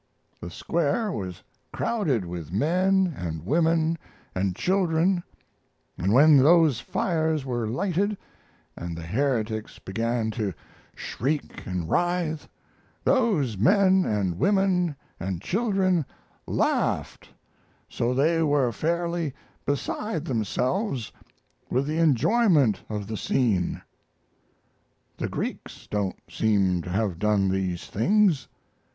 The square was crowded with men and women and children, and when those fires were lighted, and the heretics began to shriek and writhe, those men and women and children laughed so they were fairly beside themselves with the enjoyment of the scene. The Greeks don't seem to have done these things.